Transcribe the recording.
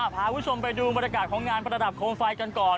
พาคุณผู้ชมไปดูบรรยากาศของงานประดับโคมไฟกันก่อน